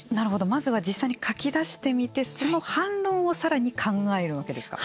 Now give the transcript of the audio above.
まずは実際に書き出してみてその反論をさらに考えるわけですか。